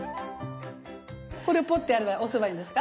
これをポッてやれば押せばいいんですか？